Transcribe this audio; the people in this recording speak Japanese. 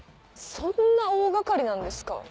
そんな大掛かりなんですか。